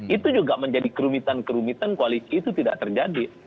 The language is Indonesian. itu juga menjadi kerumitan kerumitan koalisi itu tidak terjadi